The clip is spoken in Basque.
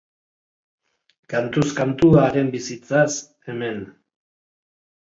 Kantuz katu haren bizitzaz, hemen.